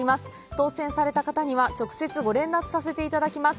当選された方には直接ご連絡させて頂きます